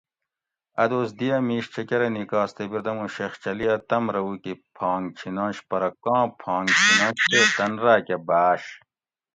اۤ دوس دی اۤ میش چکرہ نیکاس تے بِردمو شیخ چلی اۤ تم رہ اوکی پھانگ چھیننش پرہ کاں پھانگ چھیننش تے تن راۤکہ باۤش